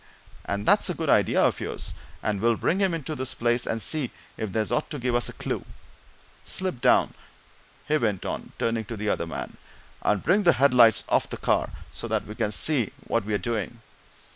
And that's a good idea of yours, and we'll bring him into this place and see if there's aught to give us a clue. Slip down," he went on, turning to the other man, "and bring the headlights off the car, so that we can see what we're doing.